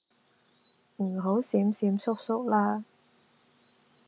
唔好閃閃縮縮啦